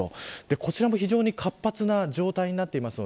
こちらも非常に活発な状態になっています。